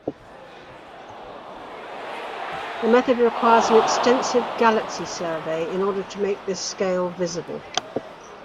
The method requires an extensive galaxy survey in order to make this scale visible.